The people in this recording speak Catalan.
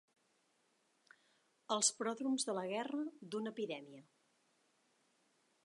Els pròdroms de la guerra, d'una epidèmia.